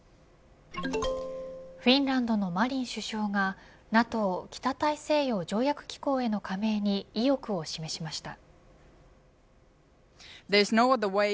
フィンランドのマリン首相がＮＡＴＯ北大西洋条約機構への加盟に意欲を示しました。